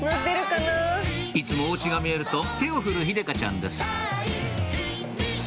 いつもお家が見えると手を振る秀香ちゃんです